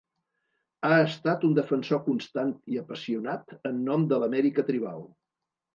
Ha estat un defensor constant i apassionat en nom de l'Amèrica tribal.